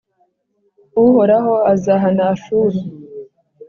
Uhoraho azahana Ashuru